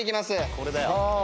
これだよ。